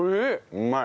うまい。